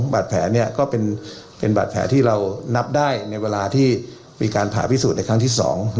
บาดแผลเนี่ยก็เป็นบาดแผลที่เรานับได้ในเวลาที่มีการผ่าพิสูจน์ในครั้งที่๒